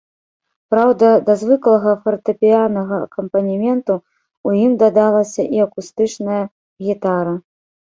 Праўда, да звыклага фартэпіяннага акампанементу ў ім дадалася і акустычная гітара.